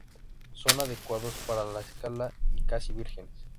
Son adecuados para la escalada y casi vírgenes.